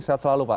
sehat selalu pak